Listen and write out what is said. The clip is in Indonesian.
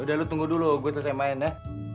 yaudah lo tunggu dulu gue tersenyum main ya